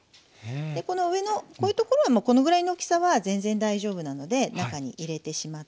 でこの上のこういうところはこのぐらいの大きさは全然大丈夫なので中に入れてしまって平気です。